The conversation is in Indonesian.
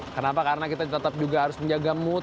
kenapa karena kita tetap juga harus menjaga mood